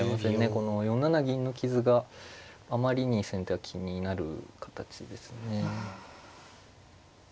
この４七銀の傷があまりに先手は気になる形ですね。